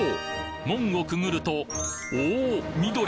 門をくぐるとおお！